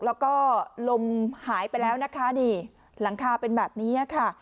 แล้วก็ลมหายไปแล้วนะคะนี่หลังคาเป็นแบบนี้ค่ะ